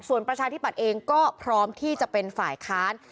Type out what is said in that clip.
ส่วนประชาธิปัตย์เองก็พร้อมที่จะเป็นฝ่ายค้าน